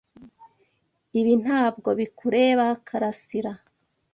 Ibi ntabwo bikureba, Karasira.